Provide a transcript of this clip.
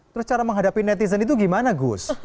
terus cara menghadapi netizen itu gimana gus